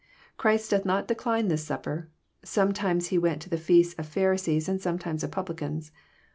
Christ doth not decline this supper; sometimes He went to the feasts of Pharisees, and sometimes of Publicans.